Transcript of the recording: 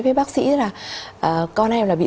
với bác sĩ là con em là bị